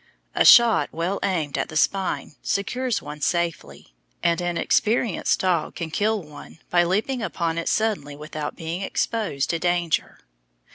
A shot well aimed at the spine secures one safely, and an experienced dog can kill one by leaping upon it suddenly without being exposed to danger.